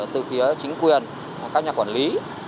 từ phía chính quyền các nhà quản lý